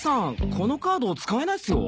このカード使えないっすよ。